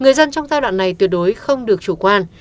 người dân trong giai đoạn này tuyệt đối không được chủ quan